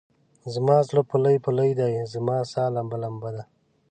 زما زړه پولۍ پولی دی، زما سا لمبه لمبه ده